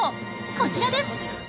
こちらです。